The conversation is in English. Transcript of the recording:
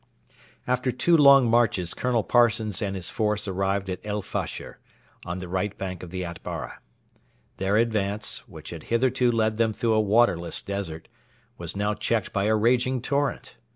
After two long marches Colonel Parsons and his force arrived at El Fasher, on the right bank of the Atbara. Their advance, which had hitherto led them through a waterless desert, was now checked by a raging torrent.